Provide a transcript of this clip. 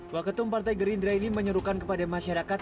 wakil ketua umum partai gerindra ini menyerulkan kepada masyarakat